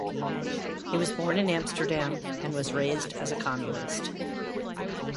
He was born in Amsterdam and was raised as a communist.